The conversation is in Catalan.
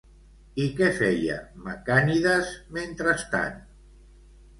I què feia Macànides mentrestant?